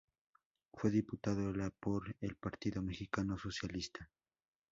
Fue diputado a la por el Partido Mexicano Socialista.